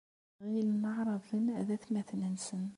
ɣilen aɛraben d atmaten-nsen.